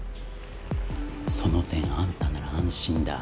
その点あんたなら安心だ。